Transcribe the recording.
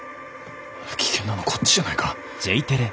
危険なのはこっちじゃないか。